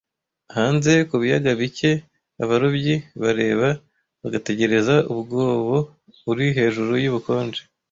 Hanze ku biyaga pike-abarobyi bareba bagategereza umwobo uri hejuru yubukonje,